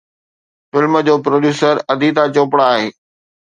Film جو producer Aditya Chopra آهي.